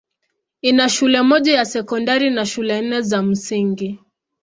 Ina shule moja ya sekondari na shule nne za msingi.